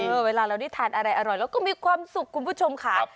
เวลาเราได้ทานอะไรอร่อยเราก็มีความสุขคุณผู้ชมค่ะ